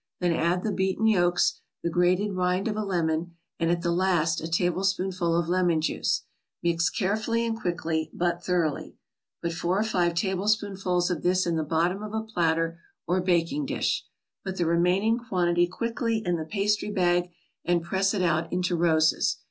Then add the beaten yolks, the grated rind of a lemon and at the last a tablespoonful of lemon juice. Mix carefully and quickly, but thoroughly. Put four or five tablespoonfuls of this in the bottom of a platter, or baking dish. Put the remaining quantity quickly in the pastry bag, and press it out into roses.